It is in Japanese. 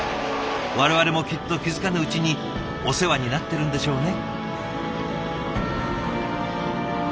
我々もきっと気付かぬうちにお世話になってるんでしょうね。